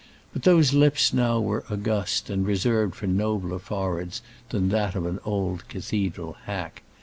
But those lips now were august and reserved for nobler foreheads than that of an old cathedral hack.